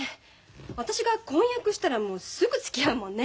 私が婚約したらもうすぐつきあうもんね。